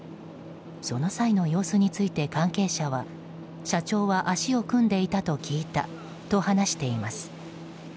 その際の様子について関係者は社長は足を組んでいたと聞いたと話しています。